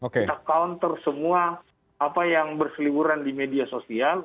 kita counter semua apa yang berseliburan di media sosial